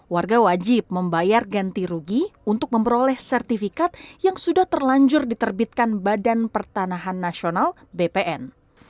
warga wajib membayar ganti rugi untuk memperoleh sertifikat yang sudah terlanjur diterbitkan badan pertanahan nasional bpn